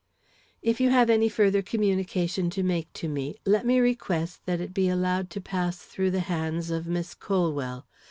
If you have any further communication to make to me, let me request that it be allowed to pass through the hands of Miss Colwell.